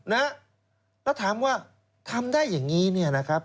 แล้วถามว่าทำได้อย่างนี้เนี่ยนะครับ